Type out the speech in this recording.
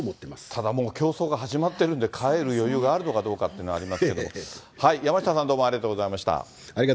ただもう、競争が始まってるんで、帰る余裕があるのかどうかというのはありますけれども、山下さん、ありがとうございました。